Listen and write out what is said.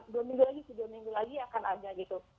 dua minggu lagi tiga minggu lagi akan ada gitu